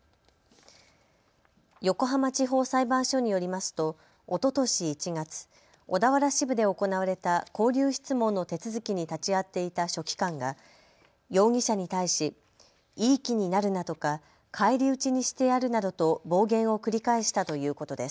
横浜地方裁判所によりますとおととし１月、小田原支部で行われた勾留質問の手続きに立ち会っていた書記官が容疑者に対しいい気になるなとか返り討ちにしてやるなどと暴言を繰り返したということです。